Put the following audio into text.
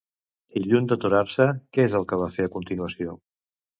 I lluny d'aturar-se, què és el que va fer a continuació?